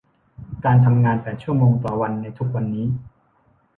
การทำงานแปดชั่วโมงต่อวันในทุกวันนี้